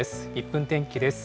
１分天気です。